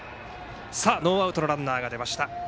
ノーアウトのランナーが出ました。